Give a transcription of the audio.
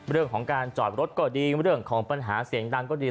เรื่องของการจอดรถก็ดีเรื่องของปัญหาเสียงดังก็ดี